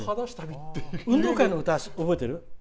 運動会の歌、覚えてる？